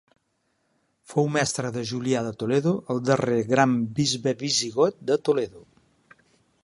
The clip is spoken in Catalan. Fou mestre de Julià de Toledo, el darrer gran bisbe visigot de Toledo.